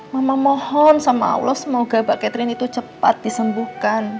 mama mohon sama allah semoga mbak catherine itu cepat disembuhkan